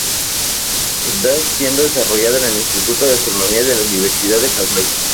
Está siendo desarrollado en el Instituto de Astronomía de la Universidad de Hawái.